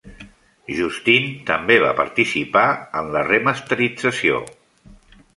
Justine també va participar en la remasterització.